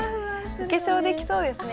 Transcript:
お化粧できそうですね。